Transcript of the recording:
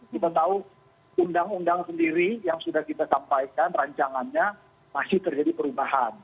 kita tahu undang undang sendiri yang sudah kita sampaikan rancangannya masih terjadi perubahan